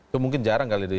itu mungkin jarang kali di